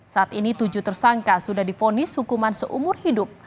saat ini tujuh tersangka sudah difonis hukuman seumur hidup